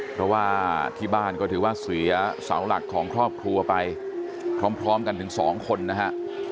เพราะว่าที่บ้านก็ถือว่าเสียเสาหลักของครอบครัวไปพร้อมกันถึง๒คนนะฮะ